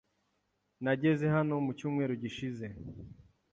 Nageze hano mu cyumweru gishize.